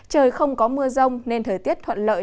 trời không có mưa rông nên thời tiết thuận lợi